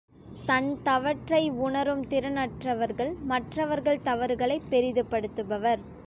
தன் தவற்றை உணரும் திறனற்றவர்கள் மற்றவர்கள் தவறுகளைப் பெரிதுபடுத்துபவர்.